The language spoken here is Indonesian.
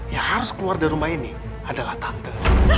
yang harus keluar dari rumah ini adalah tante